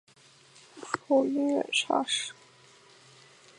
古时属荏原郡衾村。